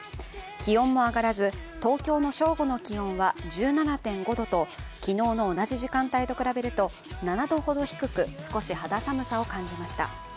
気温も上がらず東京の正午の気温は１７．５度と昨日の同じ時間帯と比べると７度ほど低く、少し肌寒さを感じました。